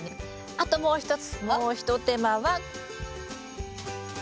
あともう一つもう一手間は。